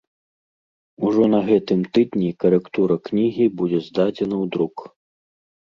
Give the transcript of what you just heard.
Ужо на гэтым тыдні карэктура кнігі будзе здадзена ў друк.